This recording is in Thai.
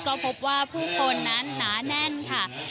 ก็พบว่าผู้คนนั้นหนาแน่นค่ะ